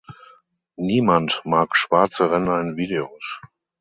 Niemand mag schwarze Ränder in Videos.